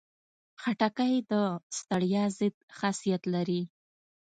خټکی د ستړیا ضد خاصیت لري.